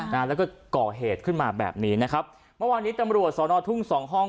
นะฮะแล้วก็ก่อเหตุขึ้นมาแบบนี้นะครับเมื่อวานนี้ตำรวจสอนอทุ่งสองห้อง